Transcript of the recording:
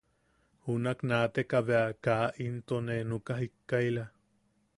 Junak naateka bea kaa into ne nuka jikkaila.